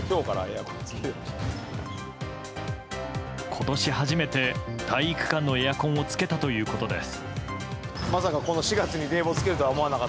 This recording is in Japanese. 今年初めて体育館のエアコンをつけたということです。